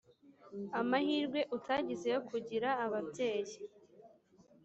amahirwe utagize yo kugira ababyeyi